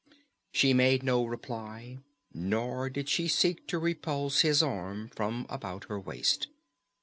She made no reply, nor did she seek to repulse his arm from about her waist.